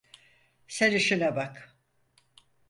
Sen işine bak.